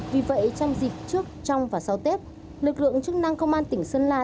vì vậy trong dịp trước trong và sau tết lực lượng chức năng công an tỉnh sơn la